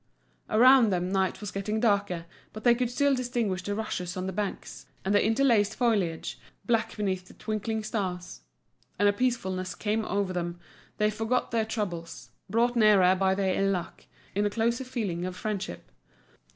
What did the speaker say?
Around them night was getting darker, but they could still distinguish the rushes on the banks, and the interlaced foliage, black beneath the twinkling stars; and a peacefulness came over them, they forgot their troubles, brought nearer by their ill luck, in a closer feeling of friendship.